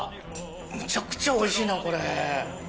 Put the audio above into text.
むちゃくちゃおいしいなこれ！